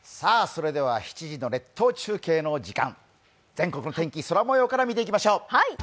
７時の列島中継の時間、全国の天気、空もようから見ていきましょう。